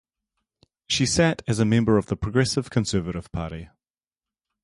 She sat as a member of the Progressive Conservative Party.